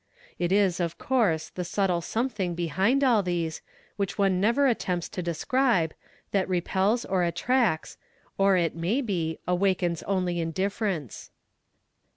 It is, of couree, the subtle something behind all these, which one never attempts to describe, that repels or attracts, or, it may be, awakens only indifference.